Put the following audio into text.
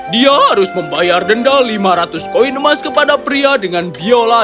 dia harus membayar denda lima ratus koin emas ke piola